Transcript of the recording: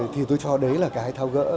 thì tôi cho đấy là cái thao gỡ